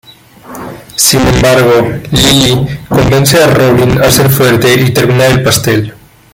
Sin embargo, Lily convence a Robin a ser fuerte y terminar el pastel.